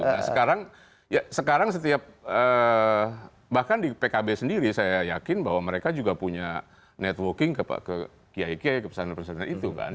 nah sekarang ya sekarang setiap bahkan di pkb sendiri saya yakin bahwa mereka juga punya networking ke kiai kiai ke pesantren pesantren itu kan